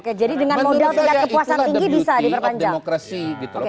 oke jadi dengan modal tingkat kepuasan tinggi bisa diperpanjang